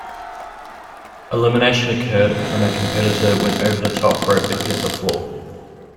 Elimination occurred when a competitor went over the top rope and hit the floor.